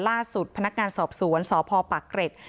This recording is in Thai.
ล่าสุดพนักงานสอบสวนสพปากเกร็ด